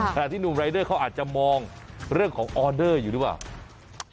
ขณะที่หนุ่มรายเดอร์เขาอาจจะมองเรื่องของออเดอร์อยู่หรือเปล่า